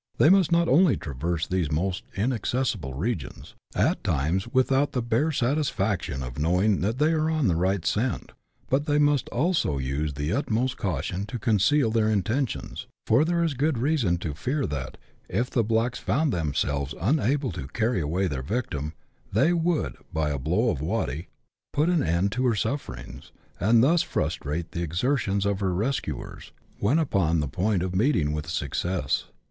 They must not only traverse these almost inac cessible regions, at times without the bare satisfaction of knowing that they are on the right scent, but they must also use the utmost caution to conceal their intentions ; for there is good reason to fear that, if the blacks found themselves unable to carry away their victim, they would, by a blow of a waddie, put 140 BUSH LIFE IN AUSTRALIA. [chap. xii. an end to her sufferings, and thus frustrate the exertions of her rescuers, when upon the point of meeting with success.